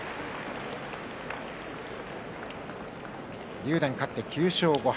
竜電、勝って９勝５敗。